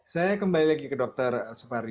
saya mau tanya ke dokter supari